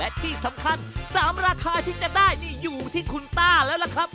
และที่สำคัญ๓ราคาที่จะได้นี่อยู่ที่คุณต้าแล้วล่ะครับ